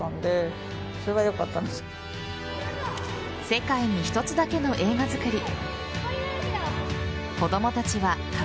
世界に一つだけの映画作り。